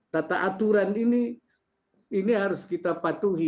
tata aturan ini ini harus kita patuhi